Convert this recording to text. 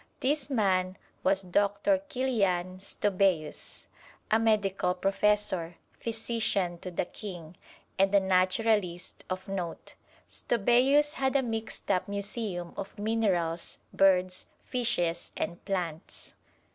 This man was Doctor Kilian Stobæus, a medical professor, physician to the king, and a naturalist of note. Stobæus had a mixed up museum of minerals, birds, fishes and plants.